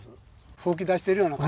吹き出してるような感じ。